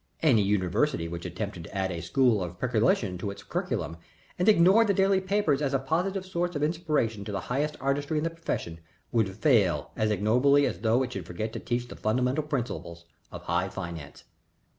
Any university which attempted to add a School of Peculation to its curriculum and ignored the daily papers as a positive source of inspiration to the highest artistry in the profession would fail as ignobly as though it should forget to teach the fundamental principles of high finance."